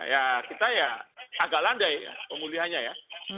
ya kita ya agak landai ya pemulihannya ya